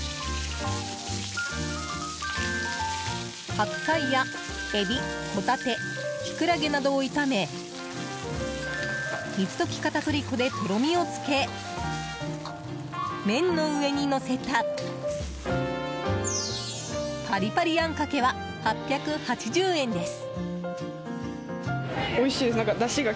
白菜やエビ、ホタテキクラゲなどを炒め水溶き片栗粉でとろみをつけ麺の上にのせたパリパリあんかけは８８０円です。